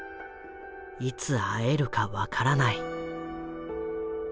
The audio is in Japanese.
いつ会えるか分からない。